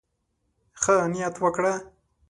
ښه نيت وکړه.